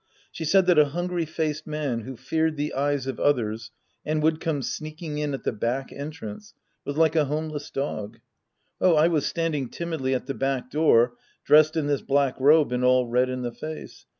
She said that a hungry faced man who feared the eyes of others and would come sneaking in at the back entrance was like a homeless dog. Oh, I was standing timidly at the back door dressed in this black robe and all red in the face.